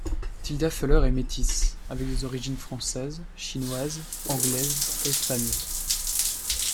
Thilda Fuller est métisse, avec des origines françaises, chinoises, anglaises et espagnoles.